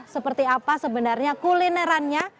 seperti apa sebenarnya kulinerannya